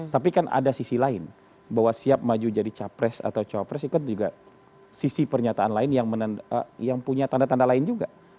tapi kan ada sisi lain bahwa siap maju jadi capres atau cawapres itu kan juga sisi pernyataan lain yang punya tanda tanda lain juga